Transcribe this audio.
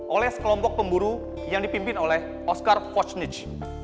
oleh sekelompok pemburu yang dipimpin oleh oscar fosnich